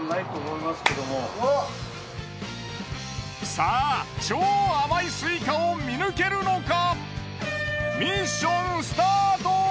さあ超甘いスイカを見抜けるのか？